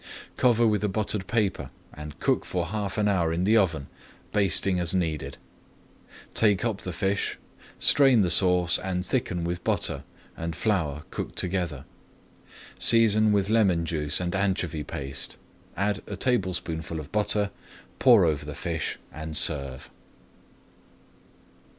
Cover with a buttered paper and cook for half an hour in the oven, basting as needed. Take up the fish, strain the sauce and thicken with butter and flour cooked together. Season with lemon juice and [Page 226] anchovy paste, add a tablespoonful of butter, pour over the fish, and serve.